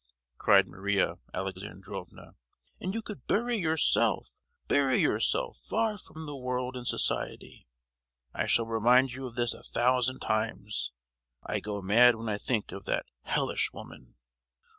cried Maria Alexandrovna. "And you could bury yourself—bury yourself, far from the world and society! I shall remind you of this a thousand times! I go mad when I think of that hellish woman."